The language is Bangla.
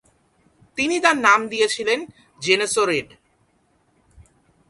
তিনি তার নাম দিয়েছিলেন "জেনসো রেড"।